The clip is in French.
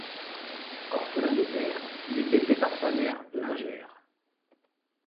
Orphelin de père, il est élevé par sa mère, lingère.